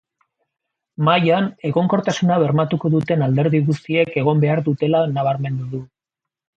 Mahaian egonkortasuna bermatuko duten alderdi guztiek egon behar dutela nabarmendu du.